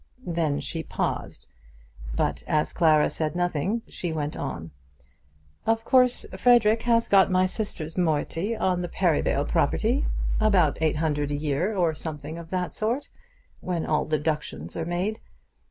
Then she paused; but as Clara said nothing, she went on. "Of course, Frederic has got my sister's moiety of the Perivale property; about eight hundred a year, or something of that sort, when all deductions are made.